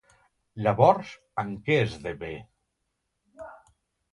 Llavors, en què esdevé?